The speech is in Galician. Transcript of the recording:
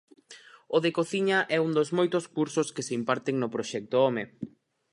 O de cociña é un dos moitos cursos que se imparten no Proxecto Home.